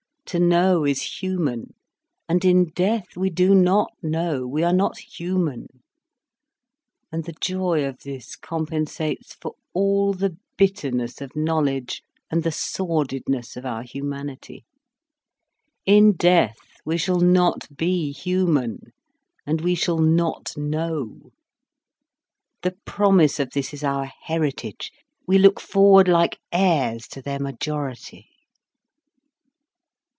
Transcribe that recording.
To know is human, and in death we do not know, we are not human. And the joy of this compensates for all the bitterness of knowledge and the sordidness of our humanity. In death we shall not be human, and we shall not know. The promise of this is our heritage, we look forward like heirs to their majority.